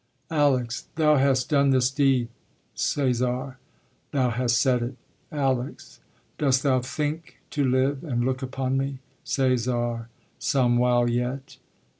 ALEX. Thou hast done this deed. CÆSAR. Thou hast said it. ALEX. Dost thou think To live, and look upon me? CÆSAR. Some while yet.